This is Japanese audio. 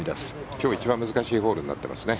今日一番難しいホールになっていますね。